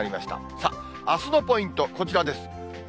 さあ、あすのポイント、こちらです。